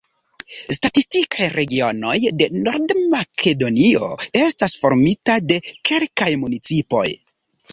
Statistikaj regionoj de Nord-Makedonio estas formita de kelkaj municipoj.